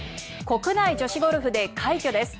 国内女子ゴルフで快挙です。